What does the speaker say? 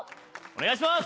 お願いします